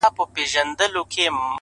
پر ځان باور نیمه بریا ده.!